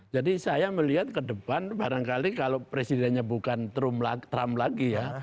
jadi saya melihat ke depan barangkali kalau presidennya bukan trump lagi ya